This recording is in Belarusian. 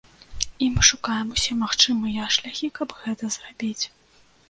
І мы шукаем усе магчымыя шляхі, каб гэта зрабіць.